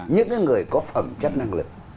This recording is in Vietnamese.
những người có phẩm chất năng lực